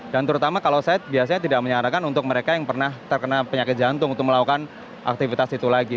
dan terutama kalau saya biasanya tidak menyarankan untuk mereka yang pernah terkena penyakit jantung untuk melakukan aktivitas itu lagi